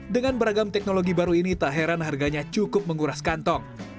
dengan beragam teknologi baru ini tak heran harganya cukup menguras kantong